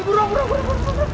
burung burung burung